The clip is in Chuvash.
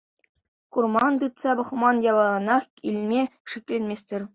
Курман, тытса пӑхман япаланах илме шикленместӗр.